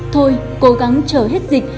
thôi cố gắng chờ hết dịch